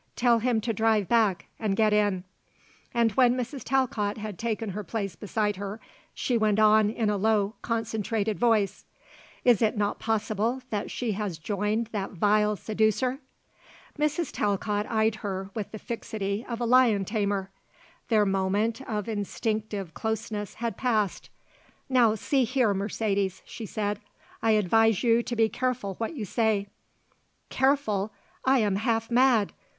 "Tell him to drive back, and get in." And when Mrs. Talcott had taken her place beside her she went on in a low, concentrated voice: "Is it not possible that she has joined that vile seducer?" Mrs. Talcott eyed her with the fixity of a lion tamer. Their moment of instinctive closeness had passed. "Now see here, Mercedes," she said; "I advise you to be careful what you say." "Careful! I am half mad!